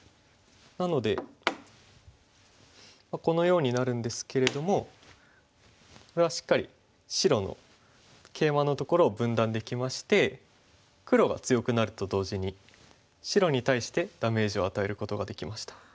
なのでこのようになるんですけれどもこれはしっかり白のケイマのところを分断できまして黒が強くなると同時に白に対してダメージを与えることができました。